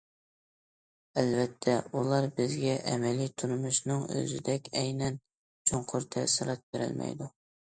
ئەلۋەتتە ئۇلار بىزگە ئەمەلىي تۇرمۇشنىڭ ئۆزىدەك ئەينەن، چوڭقۇر تەسىرات بېرەلمەيدۇ.